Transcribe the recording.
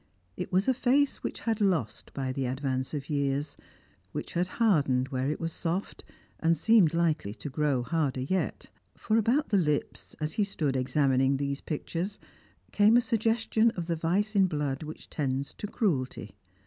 It was a face which had lost by the advance of years; which had hardened where it was soft, and seemed likely to grow harder yet; for about the lips, as he stood examining these pictures, came a suggestion of the vice in blood which tends to cruelty.